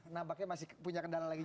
nampaknya masih punya kendala lagi